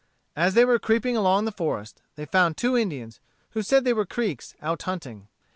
As they were creeping along through the forest, they found two Indians, who they said were Creeks, out hunting.